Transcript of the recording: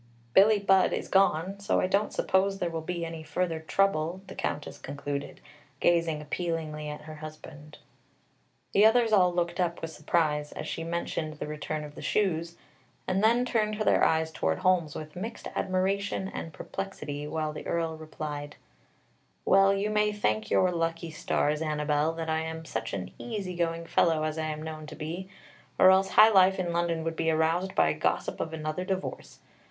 Billie Budd is gone, so I don't suppose there will be any further trouble," the Countess concluded, gazing appealingly at her husband. The others all looked up with surprise as she mentioned the return of the shoes, and then turned their eyes toward Holmes with mixed admiration and perplexity, while the Earl replied: "Well, you may thank your lucky stars, Annabelle, that I am such an easy going fellow as I am known to be, or else high life in London would be aroused by gossip of another divorce.